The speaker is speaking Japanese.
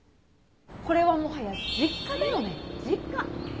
これはもはや実家だよね実家。